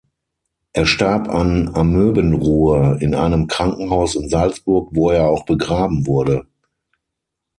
Er starb an Amöbenruhr, in einem Krankenhaus in Salzburg, wo er auch begraben wurde.